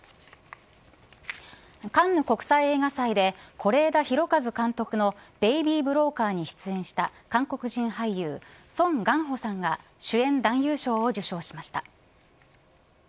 カンヌ国際映画祭で是枝裕和監督のベイビー・ブローカーに出演した韓国人俳優、ソン・ガンホさんが主演男優賞を受賞しました。